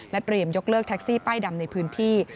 เตรียมยกเลิกแท็กซี่ป้ายดำในพื้นที่